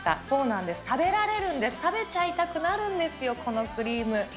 そうなんです、食べられるんです、食べちゃいたくなるんです、このクリーム。